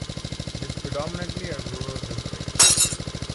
It is predominantly a rural district.